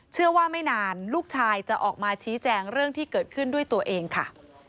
ไม่นานลูกชายจะออกมาชี้แจงเรื่องที่เกิดขึ้นด้วยตัวเองค่ะ